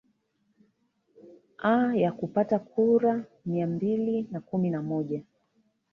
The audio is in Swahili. a ya kupata kura mia mbili na kumi na moja